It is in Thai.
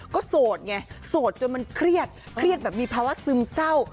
ก็โสดไงโสดจนมันเครียดเครียดแบบมีภาวะซึมเศร้า